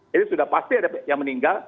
jadi sudah pasti ada yang meninggal